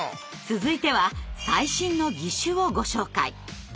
続いては最新の義手をご紹介。